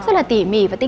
rất là tỉ mỉ và tinh tế